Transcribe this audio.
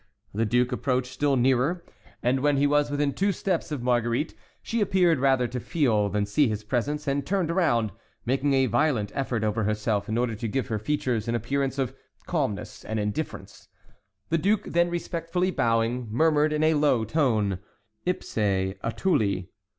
The duke approached still nearer, and when he was within two steps of Marguerite, she appeared rather to feel than see his presence, and turned round, making a violent effort over herself in order to give her features an appearance of calmness and indifference. The duke, then respectfully bowing, murmured in a low tone, "Ipse attuli."